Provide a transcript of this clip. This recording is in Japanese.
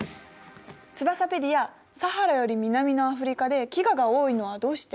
ツバサペディアサハラより南のアフリカで飢餓が多いのはどうして？